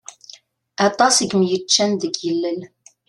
Aṭas i yemeččen deg ilel.